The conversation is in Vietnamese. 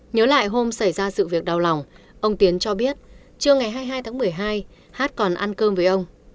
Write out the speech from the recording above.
nhớ lại hôm xảy ra sự việc đau lòng ông tiến cho biết trưa ngày hai mươi hai tháng một mươi hai hát còn ăn cơm với ông